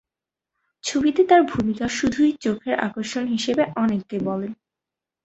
ছবিতে তার ভূমিকা শুধুই চোখের আকর্ষণ হিসেবে অনেকে বলেন।